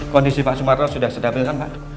kondisi pak sumarno sudah sedap ya pak